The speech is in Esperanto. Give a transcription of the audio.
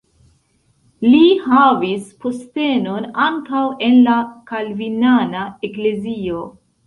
Li havis postenon ankaŭ en la kalvinana eklezio.